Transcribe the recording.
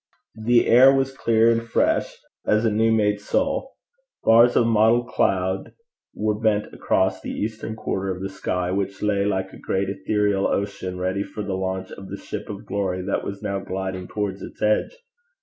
The air was clear and fresh as a new made soul. Bars of mottled cloud were bent across the eastern quarter of the sky, which lay like a great ethereal ocean ready for the launch of the ship of glory that was now gliding towards its edge.